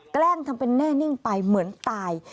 แกล้งทำเป็นแน่นิ่งไปเหมือนตาย